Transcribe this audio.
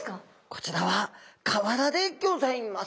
こちらは瓦でギョざいます。